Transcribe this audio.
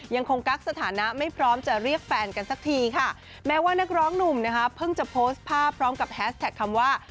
ยังคงกักสถานะไม่พร้อมจะเรียกแฟนกันสักทีค่ะแม้ว่านักร้องหนุ่มนะคะเพิ่งจะโพสต์ภาพพร้อมกับแฮสแท็กคำว่า